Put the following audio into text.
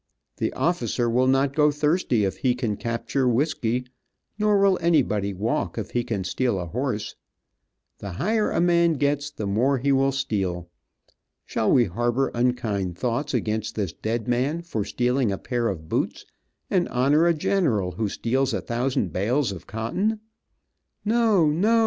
The officer will not go thirsty if he can capture whisky, nor will anybody walk if he can steal a horse. The higher a man gets the more he will steal. Shall we harbor unkind thoughts against this dead man for stealing a pair of boots, and honor a general who steals a thousand bales of cotton? (No! no!